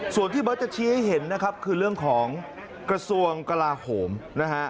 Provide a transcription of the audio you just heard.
ส่วนที่เบิร์ตจะชี้ให้เห็นนะครับคือเรื่องของกระทรวงกลาโหมนะฮะ